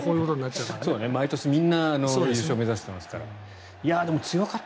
そうですね、毎年みんな優勝を目指していますから。